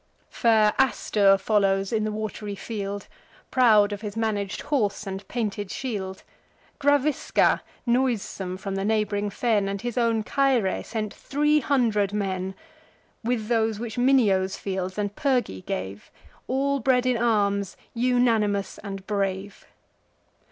Fair Astur follows in the wat'ry field, Proud of his manag'd horse and painted shield. Gravisca, noisome from the neighb'ring fen, And his own Caere, sent three hundred men; With those which Minio's fields and Pyrgi gave, All bred in arms, unanimous, and brave.